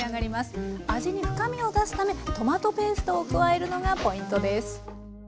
味に深みを出すためトマトペーストを加えるのがポイントです。